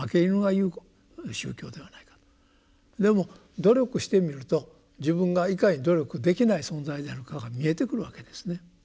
でも努力してみると自分がいかに努力できない存在であるかが見えてくるわけですね。